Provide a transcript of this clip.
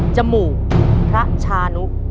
จมูกพระชานุ